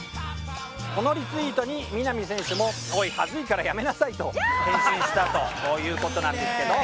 このリツイートに南選手も「おい、はずいからやめなさい」と返信したという事なんですけど。